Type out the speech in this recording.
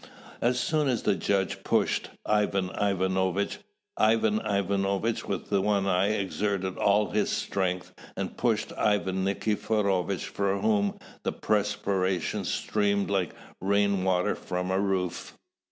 As soon as the judge pushed Ivan Ivanovitch, Ivan Ivanovitch with the one eye exerted all his strength, and pushed Ivan Nikiforovitch, from whom the perspiration streamed like rain water from a roof.